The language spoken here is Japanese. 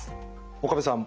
岡部さん